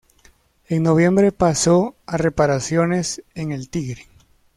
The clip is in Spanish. En noviembre pasó a reparaciones en el Tigre.